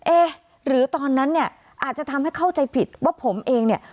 เอ๊ะหรือตอนนั้นเนี่ยอาจจะทำให้เข้าใจผิดว่าผมเองเนี่ย